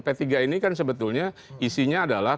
p tiga ini kan sebetulnya isinya adalah